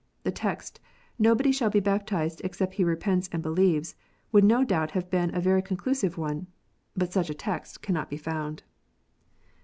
The text "nobody shall be baptized except he repents and believes," would no doubt have been a very conclusive one. But such a text cannot be found